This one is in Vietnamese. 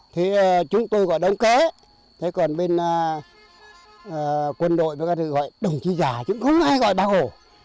thế chúng tôi gọi ông kế thế còn bên quân đội gọi đồng chí già chứ không ai gọi bác hồ